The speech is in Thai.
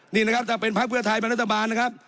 นี่นะครับจะเป็นพักเพื่อไทยเป็นรัฐบาลนะครับ